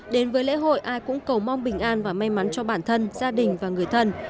đến với lễ hội ai cũng cầu mong bình an và may mắn cho bản thân gia đình và người thân